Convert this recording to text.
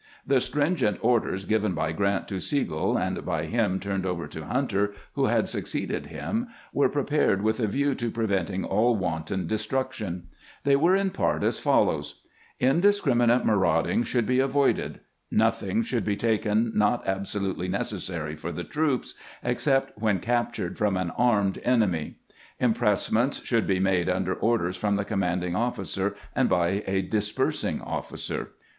The stringent orders given by Grant to Sigel, and by him turned over to Hunter, who had succeeded him, were prepared with a view to preventing all wan ton destruction. They were in part as follows :" Indis criminate marauding should be avoided. Nothing should be taken not absolutely necessary for the troops, except when captured from an armed enemy. Impressments should be made under orders from the commanding officer and by a disbursing officer.